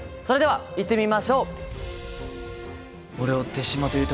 それではいってみましょう。